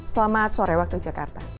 selamat sore waktu jakarta